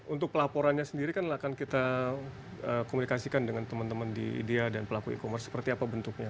untuk pelaporannya sendiri kan akan kita komunikasikan dengan teman teman di idea dan pelaku e commerce seperti apa bentuknya